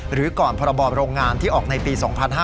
หรือก่อนพรบโรงงานที่ออกในปี๒๕๕๙